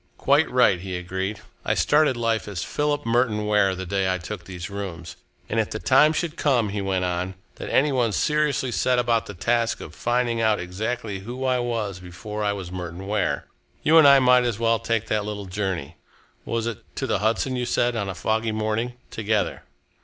"Quite right," he agreed. "I started life as Philip Merton Ware the day I took these rooms, and if the time should come," he went on, "that any one seriously set about the task of finding out exactly who I was before I was Merton Ware, you and I might as well take that little journey was it to the Hudson, you said, on a foggy morning? together."